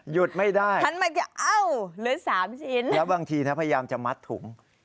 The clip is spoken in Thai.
หยุดไม่ได้ฉันมันจะเอ้าเหลือ๓ชิ้นแล้วบางทีนะพยายามจะมัดถุง